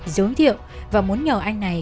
giới thiệu và muốn nhờ anh này